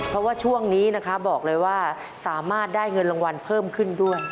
เพราะว่าช่วงนี้นะคะบอกเลยว่าสามารถได้เงินรางวัลเพิ่มขึ้นด้วย